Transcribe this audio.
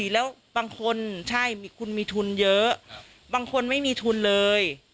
แล้วบางคนใช่คุณมีทุนเยอะบางคนไม่มีทุนเลย